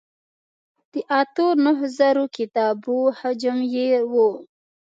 د اتو نهو زرو کتابو حجم یې و.